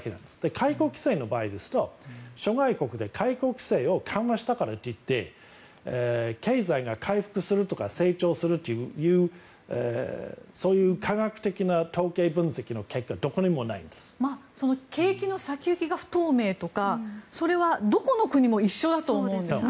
解雇規制の場合ですと諸外国で解雇規制を緩和したからといって経済が回復するとか成長するとかそういう科学的な統計分析の結果は景気の先行きが不透明とかそれはどこの国も一緒だと思うんですね。